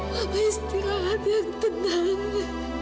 mama istirahat yang tenang